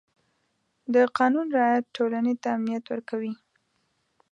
د قانون رعایت ټولنې ته امنیت ورکوي.